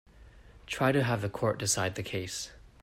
Try to have the court decide the case.